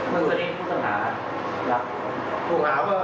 เรื่องส่วนตัวไม่ถูกสมรรถก่อน